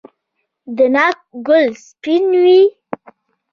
د ناک ګل سپین وي؟